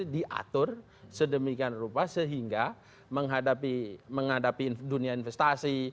diatur sedemikian rupa sehingga menghadapi dunia investasi